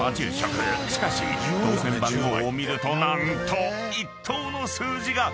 ［しかし当せん番号を見ると何と１等の数字が！］